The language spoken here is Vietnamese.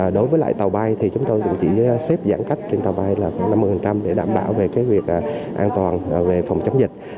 đối với lại tàu bay thì chúng tôi cũng chỉ xếp giãn cách trên tàu bay là khoảng năm mươi để đảm bảo về việc an toàn về phòng chống dịch